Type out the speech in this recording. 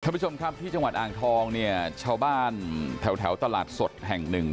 ผู้ชมครับที่จังหวัดอ่างทองเนี่ยชาวบ้านแถวตลาดสดแห่งหนึ่ง